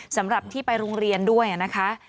สำหรับที่ไปโรงเรียนด้วยนะคะ